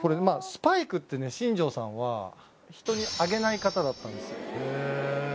スパイクって新庄さんは人にあげない方だったんですよ